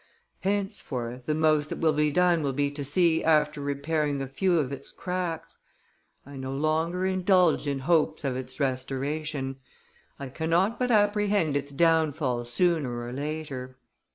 Henceforth, the most that will be done will be to see after repairing a few of its cracks. I no longer indulge in hopes of its restoration; I cannot but apprehend its downfall sooner or later."